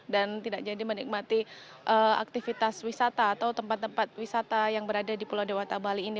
dan tidak jadi menikmati aktivitas wisata atau tempat tempat wisata yang berada di pulau dewata bali ini